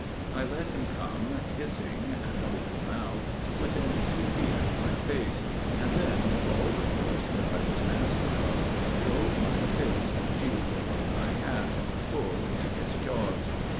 I let him come, hissing and open mouthed, within two feet of my face, and then, with all the force that I was master of, drove my fist, shielded by my hat, full in his jaws.